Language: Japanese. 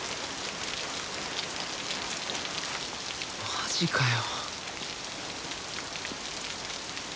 マジかよ。